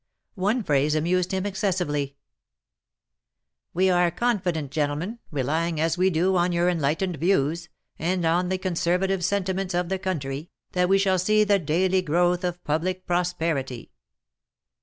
One phrase amused him ex cessively :" We are confident, gentlemen, relying as we do on your enlightened views, and on the conservative sentiments of the country, that we shall see the daily growth of public prosperity."